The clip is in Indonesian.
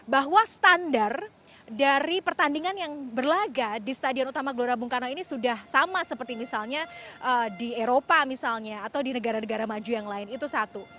bahwa standar dari pertandingan yang berlaga di stadion utama gelora bung karno ini sudah sama seperti misalnya di eropa misalnya atau di negara negara maju yang lain itu satu